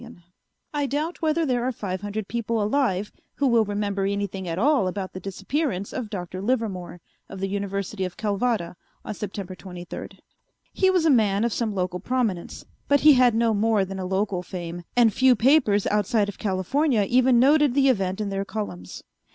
While quite a few people will remember the two events I have noted, I doubt whether there are five hundred people alive who will remember anything at all about the disappearance of Dr. Livermore of the University of Calvada on September twenty third. He was a man of some local prominence, but he had no more than a local fame, and few papers outside of California even noted the event in their columns.